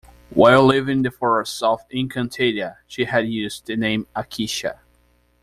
While living in the forests of Encantadia, she had used the name Akesha.